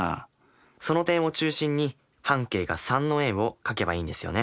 その点を中心に半径が３の円を描けばいいんですよね？